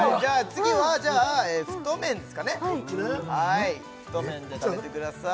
次はじゃあ太麺ですかね太麺で食べてください